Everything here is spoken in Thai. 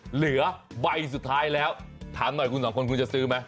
เหลือใบสุดท้ายแล้วถามหน่อยคุณสองคนคุณจะซื้อไหม